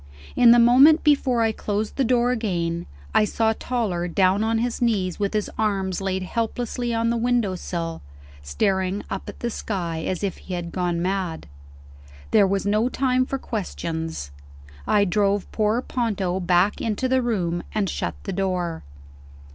In the moment before I closed the door again, I saw Toller down on his knees with his arms laid helplessly on the window sill, staring up at the sky as if he had gone mad. There was no time for questions; I drove poor Ponto back into the room, and shut the door.